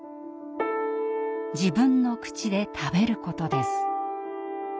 自分の口で食べることです。